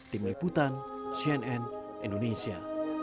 tim liputan cnn indonesia